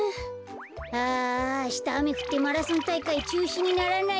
あああしたあめふってマラソンたいかいちゅうしにならないかな。